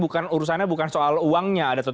urusannya bukan soal uangnya ada atau